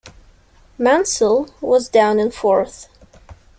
Mansell was down in fourth.